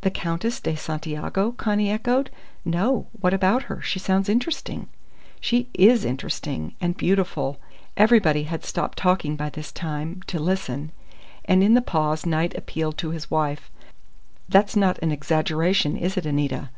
"The Countess de Santiago?" Connie echoed. "No. What about her? She sounds interesting." "She is interesting. And beautiful." Everybody had stopped talking by this time, to listen; and in the pause Knight appealed to his wife. "That's not an exaggeration, is it, Anita?"